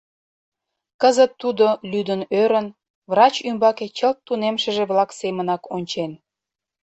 Кызыт тудо, лӱдын-ӧрын, врач ӱмбаке чылт тунемшыже-влак семынак ончен.